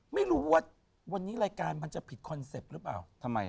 ไม่รู้ว่าวันนี้รายการจะผิดคอนเซ็ปต์แล้วแบบรึเปล่า